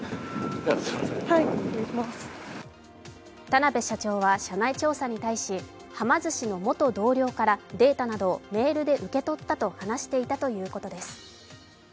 田辺社長は社内調査に対し、はま寿司の元同僚からデータなどをメールで受け取ったと話しているということです。